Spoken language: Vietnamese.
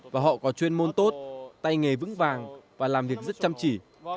và họ có chuyên môn tốt tay nghề vững vàng và làm việc rất chăm chỉ